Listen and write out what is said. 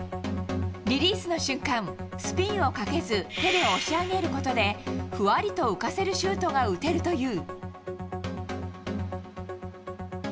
リリースの瞬間、スピンをかけず手で押し上げることでふわりと浮かせるシュートが打てるという。